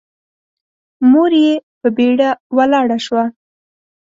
مور يې په بيړه ولاړه شوه.